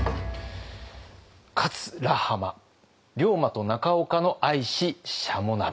「勝ら浜龍馬と中岡の愛ししゃも鍋」。